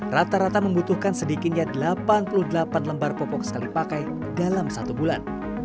rata rata membutuhkan sedikitnya delapan puluh delapan lembar popok sekali pakai dalam satu bulan